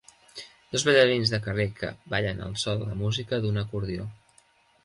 Dos ballarins de carrer que ballen al so de la música d'un acordió.